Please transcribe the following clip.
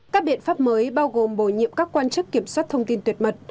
các biện pháp mới bao gồm bổ nhiệm các quan chức kiểm soát thông tin tuyệt mật